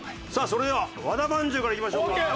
さあそれでは和田まんじゅうからいきましょうか。